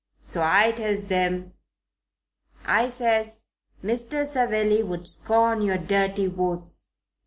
So I tells 'em, I says, 'Mr. Savelli would scorn your dirty votes.